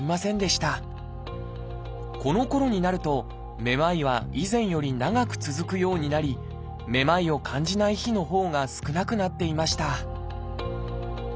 このころになるとめまいは以前より長く続くようになりめまいを感じない日のほうが少なくなっていました